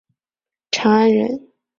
长安人。